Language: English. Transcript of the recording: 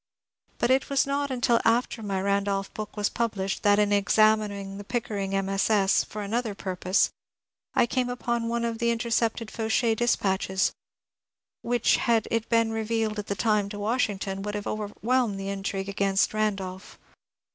But it was not until after my Randolph book was published that in examining the Pickering MSS. for another purpose I came upon one of the intercepted Fauchet dispatches, which had it been revealed at the time to Washington would have overwhelmed the intrigue against Randolph.